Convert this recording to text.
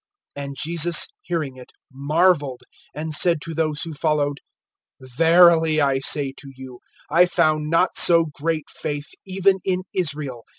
(10)And Jesus hearing it marveled, and said to those who followed: Verily I say to you, I found not so great faith, even in Israel.